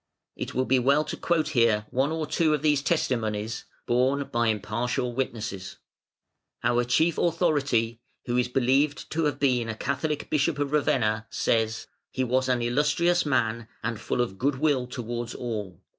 It will be well to quote here one or two of these testimonies, borne by impartial witnesses. Our chief authority, who is believed to have been a Catholic Bishop of Ravenna, says: "He was an illustrious man, and full of good will towards all.